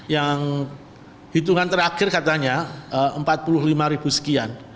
yang hitungan terakhir katanya empat puluh lima ribu sekian